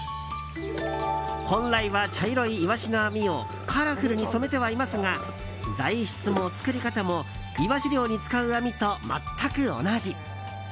本来は茶色いイワシの網をカラフルに染めてはいますが材質も作り方もイワシ漁に使う網と全く同じ。